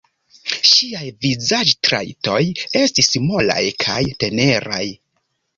Ŝiaj vizaĝtrajtoj estis molaj kaj teneraj.